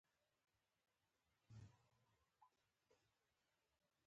د چای کتری مې وروه جوشېده.